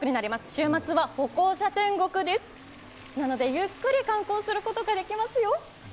週末は歩行者天国です、なので、ゆっくり観光することができますよ。